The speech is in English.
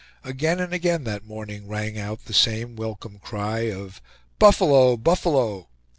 Again and again that morning rang out the same welcome cry of "Buffalo, buffalo!"